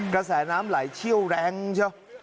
กระแสน้ำไหลเชี่ยวแรงเชียว